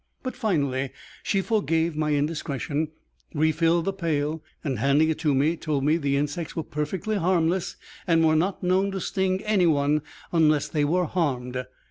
But finally she forgave my indiscretion, refilled the pail, and handing it to me, told me the insects were perfectly harmless, and were not known to sting anybody, unless they were harmed.